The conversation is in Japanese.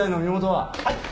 はい！